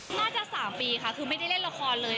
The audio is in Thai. น่าจะ๓ปีค่ะคือไม่ได้เล่นละครเลย